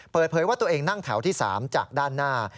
เปิดเผยว่าตัวเองนั่งแถวที่๓จากด้านหน้า